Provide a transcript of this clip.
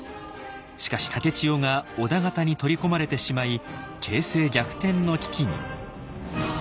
しかし竹千代が織田方に取り込まれてしまい形勢逆転の危機に。